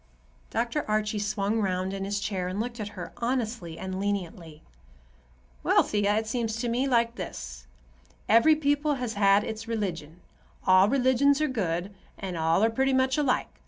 Dr. Archie swung round in his chair and looked at her, honestly and leniently. "Well, Thea, it seems to me like this. Every people has had its religion. All religions are good, and all are pretty much alike.